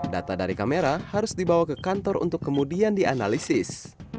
data dari kamera harus dibawa ke kantor untuk kemudian dianalisis